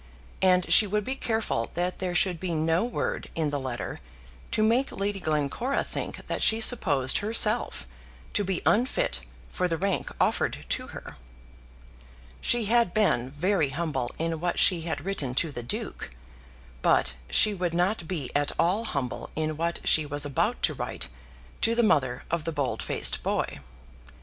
And she would be careful that there should be no word in the letter to make Lady Glencora think that she supposed herself to be unfit for the rank offered to her. She had been very humble in what she had written to the Duke, but she would not be at all humble in what she was about to write to the mother of the bold faced boy.